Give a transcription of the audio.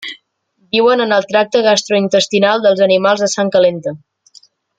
Viuen en el tracte gastrointestinal dels animals de sang calenta.